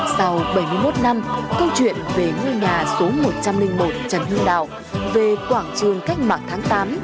sau bảy mươi một năm câu chuyện về ngôi nhà số một trăm linh một trần hưng đạo về quảng trường cách mạng tháng tám